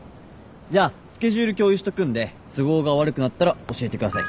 じゃあスケジュール共有しとくんで都合が悪くなったら教えてください。